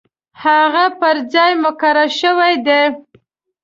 هغه پر ځای مقرر شوی دی.